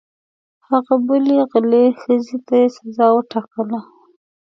هغې بلې غلې ښځې ته یې سزا وټاکله.